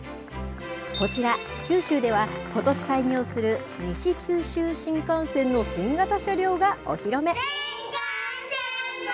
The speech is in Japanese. こちら、九州ではことし開業する西九州新幹線の新型車両がお披露目。